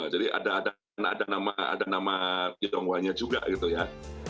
jadi ada nama tenghoanya juga gitu ya